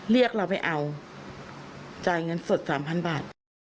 เรียกเราไปเอาจ่ายเงินสด๓๐๐บาท